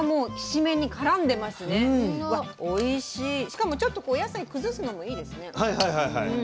しかもちょっとお野菜崩すのもいいですね。